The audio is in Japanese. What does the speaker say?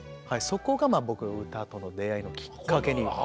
そこが僕の歌との出会いのきっかけに。